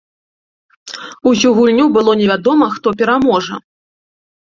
Усю гульню было невядома, хто пераможа.